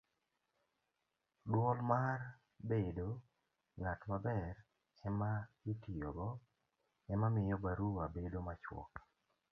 duol mar bedo ng'at maber ema itiyogo ema miyo barua bedo machuok